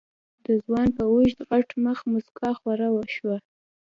د ځوان په اوږد غټ مخ موسکا خوره شوه.